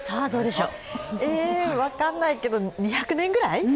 えー、分からないけど２００年ぐらい？